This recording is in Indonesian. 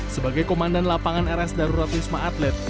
sebagai komandan lapangan rs darurat wisma atlet